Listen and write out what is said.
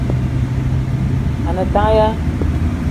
A ne tank ya ?